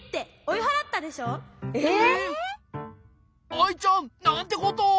アイちゃんなんてことを！